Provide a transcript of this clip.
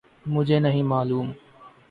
مجھے نہیں معلوم